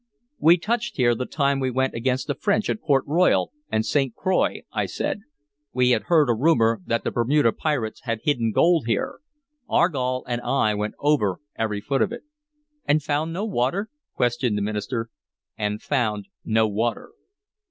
"We touched here the time we went against the French at Port Royal and St. Croix," I said. "We had heard a rumor that the Bermuda pirates had hidden gold here. Argall and I went over every foot of it." "And found no water?" questioned the minister. "And found no water."